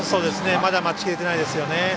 まだ待ちきれてないですよね。